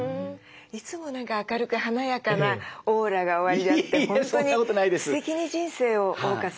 いつも何か明るく華やかなオーラがおありであって本当にすてきに人生を謳歌されていらっしゃいますよね。